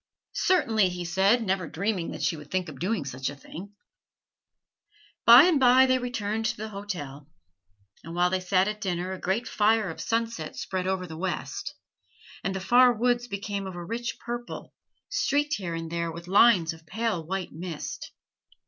"Certainly," he said, never dreaming that she would think of doing such a thing. By and by they returned to the hotel; and while they sat at dinner a great fire of sunset spread over the west; and the far woods became of a rich purple, streaked here and there with lines of pale white mist.